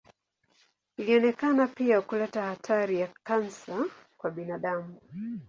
Ilionekana pia kuleta hatari ya kansa kwa binadamu.